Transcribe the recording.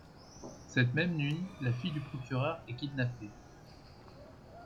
Cette même nuit, la fille du procureur est kidnappée.